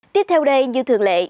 tiếp theo đây như thường lệ